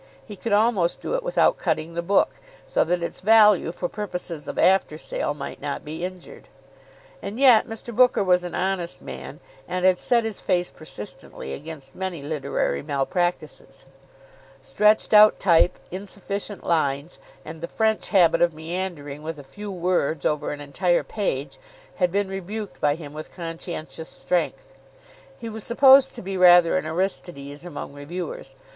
He could almost do it without cutting the book, so that its value for purposes of after sale might not be injured. And yet Mr. Booker was an honest man, and had set his face persistently against many literary malpractices. Stretched out type, insufficient lines, and the French habit of meandering with a few words over an entire page, had been rebuked by him with conscientious strength. He was supposed to be rather an Aristides among reviewers.